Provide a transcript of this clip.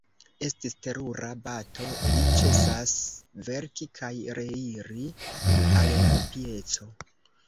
Estis terura bato: li ĉesas verki kaj reiris al la pieco.